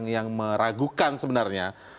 yang meragukan sebenarnya